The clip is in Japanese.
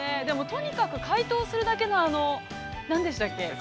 でも、とにかく解凍するだけの何でしたっけ？